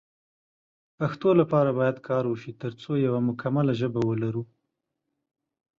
پښتو لپاره باید کار وشی ترڅو یو مکمله ژبه ولرو